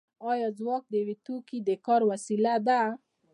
آیا ځواک د یو توکي د کار وسیله ده